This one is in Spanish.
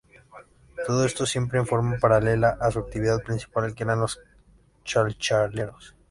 Todo esto siempre en forma paralela a su actividad principal, que eran Los Chalchaleros.